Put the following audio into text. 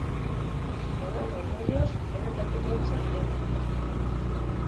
Horren ondorioz benetako iraultza eman da.